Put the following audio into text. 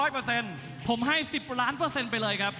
ผมให้๑๐ล้านเปอร์เซ็นต์ไปเลยครับ